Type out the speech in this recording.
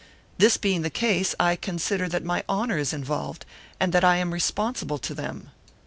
This being the case, I consider that my honour is involved, and that I am responsible to them."